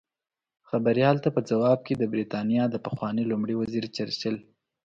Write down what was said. خبریال ته په ځواب کې د بریتانیا د پخواني لومړي وزیر چرچل